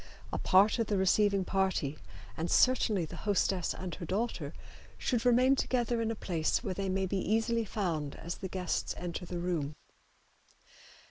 A part of the receiving party, and certainly the hostess and her daughter, should remain together in a place where they may be easily found as the guests enter the room.